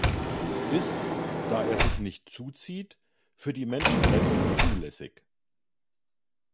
Ist, da er sich nicht zuzieht, für die Menschenrettung zulässig.